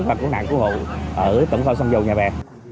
và cố nạn cứu hộ ở tổng kho sông dầu nhà bè